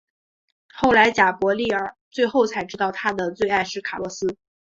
后来贾柏莉儿最后才知道她的最爱是卡洛斯。